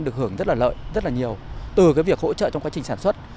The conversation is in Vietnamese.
được hưởng rất là lợi rất là nhiều từ cái việc hỗ trợ trong quá trình sản xuất